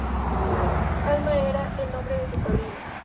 Alma era el nombre de su padrino.